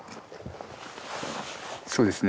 そうですね。